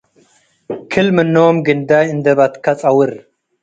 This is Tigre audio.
ክል-ምኖም ግንዳይ እንዴ በትከ ጸውር ።